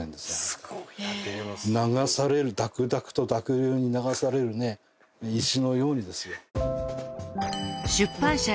だくだくと濁流に流されるね石のようにですよ。